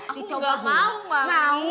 aku udah mau